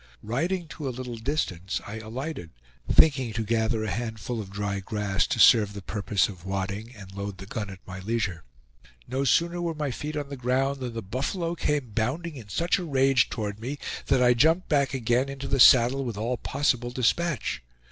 Riding to a little distance I alighted, thinking to gather a handful of dry grass to serve the purpose of wadding, and load the gun at my leisure. No sooner were my feet on the ground than the buffalo came bounding in such a rage toward me that I jumped back again into the saddle with all possible dispatch.